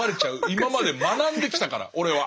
今まで学んできたから俺は。